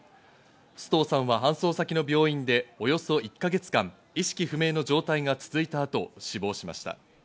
須藤さんは搬送先の病院でおよそ１か月間、意識不明の状態が続いたあと、死亡しました。